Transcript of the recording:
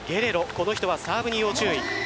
この人はサーブに要注意。